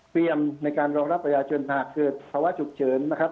เตรียมในการรองรับประหยาชนถ้าเกิดภาวะฉุกเฉินนะครับ